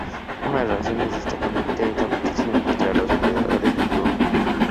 Una de las razones de esta conducta es la protección contra los predadores nocturnos.